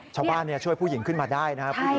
ชาวบ้านช่วยผู้หญิงขึ้นมาได้นะครับ